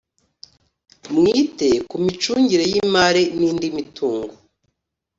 mwite kumicungire y’imari n’indi mitungo